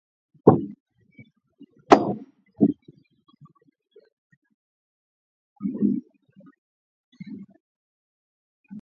Benki ya Dunia ilisema mapato ya Uganda kwa kila mtu yaliimarika sana kati ya elfu mbili na moja na elfu mbili na kumi na moja kwa asilimia sabini na nne.